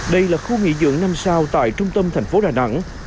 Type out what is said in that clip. đây là khu nghỉ dưỡng năm sao tại trung tâm thành phố đà nẵng